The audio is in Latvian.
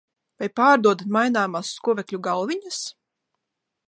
Vai pārdodat maināmās skuvekļu galviņas?